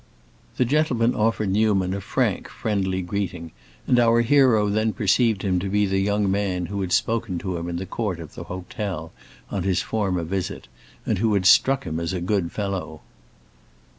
The gentleman offered Newman a frank, friendly greeting, and our hero then perceived him to be the young man who had spoken to him in the court of the hotel on his former visit and who had struck him as a good fellow.